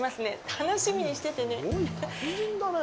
楽しみにしててね！